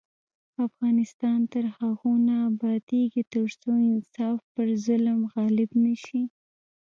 افغانستان تر هغو نه ابادیږي، ترڅو انصاف پر ظلم غالب نشي.